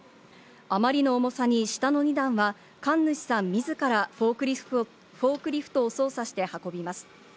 あまりの重さに下の２段は神主さん自らフォークリフトを操作して運びます。